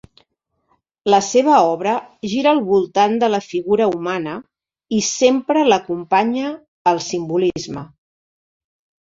La seva obra gira al voltant de la figura humana i sempre l’acompanya el simbolisme.